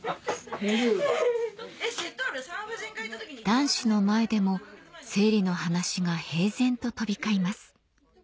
男子の前でも生理の話が平然と飛び交います